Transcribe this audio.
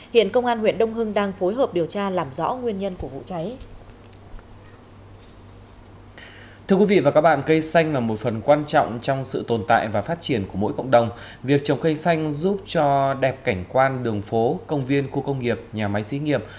hiện công an huyện đông hưng đang phối hợp điều tra làm rõ nguyên nhân của vụ cháy